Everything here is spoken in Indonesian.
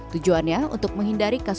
tujuannya untuk menghindari kelebihan